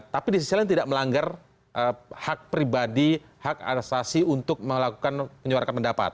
tapi di sisi lain tidak melanggar hak pribadi hak asasi untuk melakukan menyuarakan pendapat